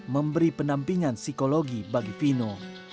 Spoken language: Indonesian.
memberi penampingan psikologi bagi fino